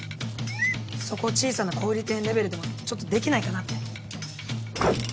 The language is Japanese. そこを小さな小売店レベルでもちょっとできないかなって。